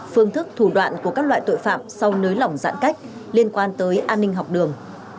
phương thức thủ đoạn của các loại tội phạm sau nới lỏng giãn cách liên quan tới an ninh học đường